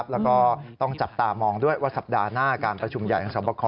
แล้วก็ต้องจับตามองด้วยว่าสัปดาห์หน้าการประชุมใหญ่ของสอบคอ